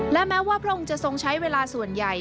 และแม้ว่าพระองค์จะทรงใช้เวลาส่วนใหญ่